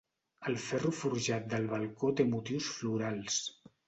El ferro forjat del balcó té motius florals.